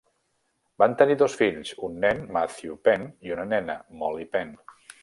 Van tenir dos fills, un nen, Matthew Penn i una nena, Molly Penn.